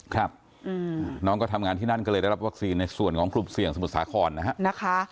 ครับน้องก็ทำงานที่นั่นก็เลยได้รับวัคซีนในส่วนของกลุ่มเสี่ยงสมุทรสาครนะฮะ